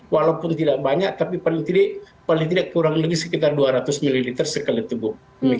walaupun tidak banyak tapi paling tidak kurang lebih sekitar dua ratus ml sekali tubuh